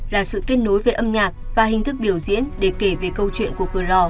là sự kết nối về âm nhạc và hình thức biểu diễn để kể về câu chuyện của cửa lò